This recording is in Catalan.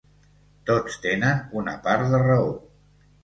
Tots tenen una part de raó.